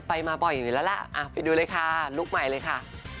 มาบ่อยอยู่แล้วล่ะไปดูเลยค่ะลุคใหม่เลยค่ะ